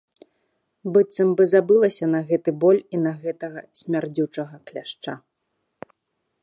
Быццам бы забылася на гэты боль, і на гэтага смярдзючага кляшча.